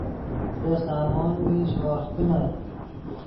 دے سامون میش ہورغ کینت